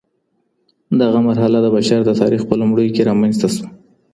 دغه مرحله د بشر د تاريخ په لومړيو کي رامنځته سوه.